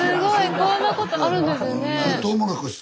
こんなことあるんですよね。